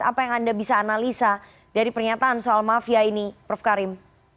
apa yang anda bisa analisa dari pernyataan soal mafia ini prof karim